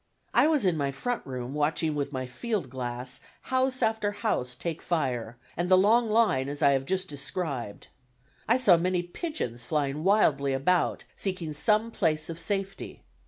I was in my front room watching with my field glass, house after house take fire and the long line as I have just described. I saw many pigeons flying wildly about, seeking some place of safety.